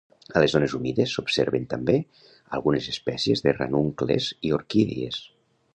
A les zones humides s'observen també algunes espècies de ranuncles i orquídies.